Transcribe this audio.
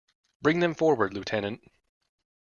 Bring them forward, lieutenant.